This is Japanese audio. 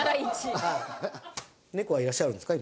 猫はいらっしゃるんですか？